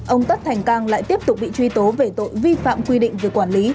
ông tất thành cang lại tiếp tục bị truy tố về tội vi phạm quy định về quản lý